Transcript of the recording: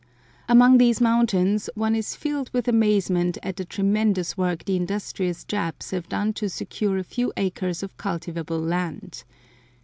Among these mountains one is filled with amazement at the tremendous work the industrious Japs have done to secure a few acres of cultivable land.